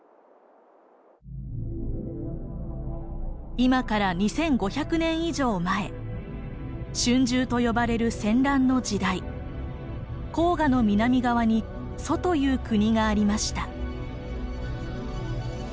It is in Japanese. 今から２，５００年以上前春秋と呼ばれる戦乱の時代黄河の南側に「楚」という国がありました。